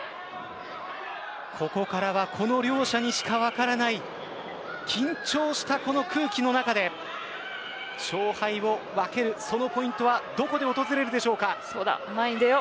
ここからはこの両者にしか分からない緊張したこの空気の中で勝敗を分けるそのポイントはどこで訪れるでしょうか。